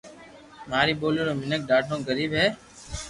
ماري ٻولي رو مينک ڌاڌو غريب ھي